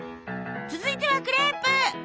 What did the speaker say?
続いてはクレープ？